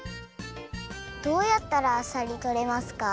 どうやったらあさりとれますか？